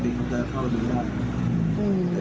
ปกติเขาได้เข้าถึงได้